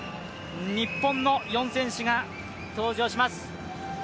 日本の４選手が登場します。